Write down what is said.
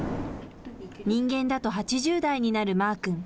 人間だと８０代になるマーくん。